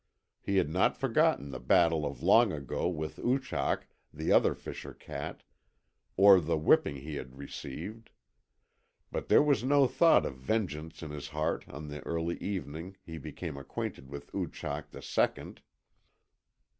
He had not forgotten the battle of long ago with Oochak, the other fisher cat, or the whipping he had received. But there was no thought of vengeance in his heart on the early evening he became acquainted with Oochak the Second.